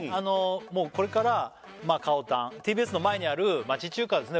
もうこれからかおたんＴＢＳの前にある町中華ですね